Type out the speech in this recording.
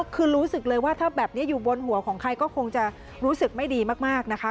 คือรู้สึกเลยว่าถ้าแบบนี้อยู่บนหัวของใครก็คงจะรู้สึกไม่ดีมากนะคะ